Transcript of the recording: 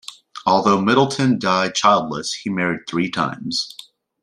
Although Middleton died childless, he married three times.